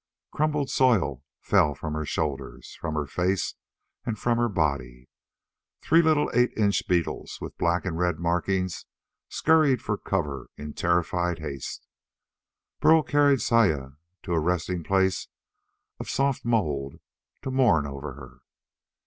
Crumbled soil fell from her shoulders, from her face, and from her body. Three little eight inch beetles with black and red markings scurried for cover in terrified haste. Burl carried Saya to a resting place of soft mould to mourn over her.